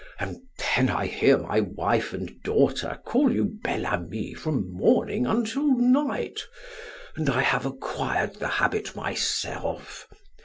And then I hear my wife and daughter call you Bel Ami from morning until night, and I have acquired the habit myself.